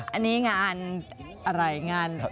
อันนี้งานอะไรงานประถม